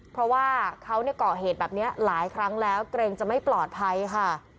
เพราะว่าเขาก่อเหตุแบบนี้หลายครั้งแล้วเกรงจะไม่ปลอดภัยค่ะ